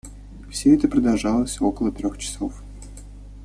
Все это продолжалось около трех часов.